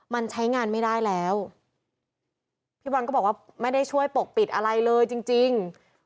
มันใช้งานไม่ได้แล้วพี่บอลก็บอกว่าไม่ได้ช่วยปกปิดอะไรเลยจริงจริง